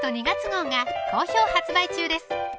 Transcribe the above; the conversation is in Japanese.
２月号が好評発売中です